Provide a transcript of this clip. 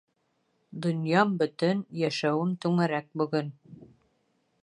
Донъям бөтөн, йәшәүем түңәрәк бөгөн.